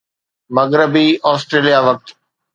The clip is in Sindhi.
مغربي آسٽريليا وقت